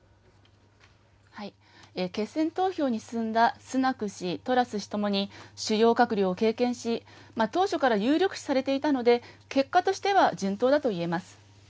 決選投票に進んだスナク氏、トラス氏ともに、主要閣僚を経験し、当初から有力視されていたので、結果としては順当だと言えます。